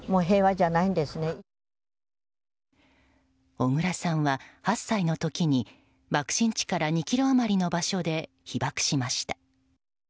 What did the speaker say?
小倉さんは８歳の時に爆心地から２ｋｍ余りの場所で被爆しました。